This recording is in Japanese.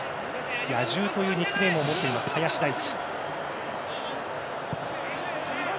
野獣というニックネームを持っています林大地。